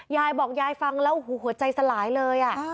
ยายบอกยายฟังแล้วโอ้โหหัวใจสลายเลย